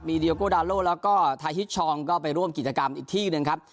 เดียโกดาโลแล้วก็ทาฮิตชองก็ไปร่วมกิจกรรมอีกที่หนึ่งครับ